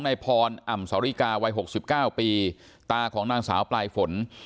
ในพรอ่ำสริกาวัย๖๙ปีตาของนางสาวปลายฝน